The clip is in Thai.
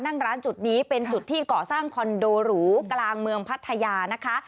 นั่งร้านจุดนี้เป็นจุดที่ก่อสร้างคอนโดหรูกลางเมืองพัทยานะคะ